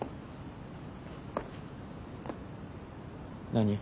何？